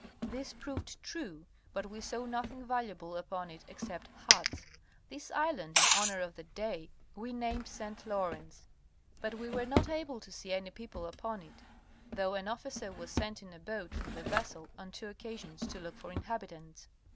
This proved true, but we saw nothing valuable upon it except huts. This island in honor of the day we named St. Lawrence, but we were not able to see any people upon it, though an officer was sent in a boat from the vessel on two occa sions to look for inhabitants.